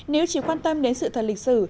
nếu chỉ quan tâm đến sự thật lịch sử